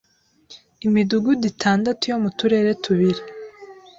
Imidugudu itandatu yo mu turere tubiri